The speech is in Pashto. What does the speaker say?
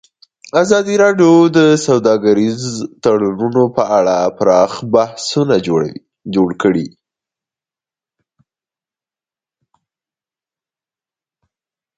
ازادي راډیو د سوداګریز تړونونه په اړه پراخ بحثونه جوړ کړي.